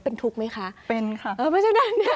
เป็นทุกข์ไหมคะเป็นค่ะไม่ใช่นั้น